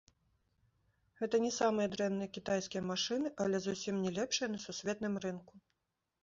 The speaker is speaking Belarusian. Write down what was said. Гэта не самыя дрэнныя кітайскія машыны, але зусім не лепшыя на сусветным рынку.